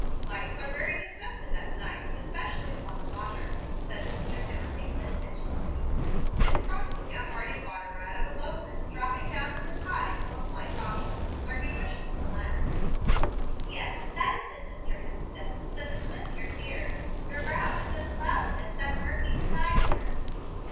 "Lights are very deceptive at night, especially upon the water," said Mr. Dimmerly, sententiously. "It's probably a hardy water rat of a boatman dropping down with the tide to a point opposite to where he wishes to land." "Yes, that is it, Mr. Hemstead, so dismiss your fears. Your brow is as clouded as that murky sky there."